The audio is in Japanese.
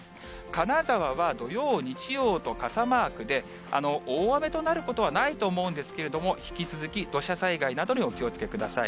金沢は土曜、日曜と傘マークで、大雨となることはないと思うんですけれども、引き続き、土砂災害などにお気をつけください。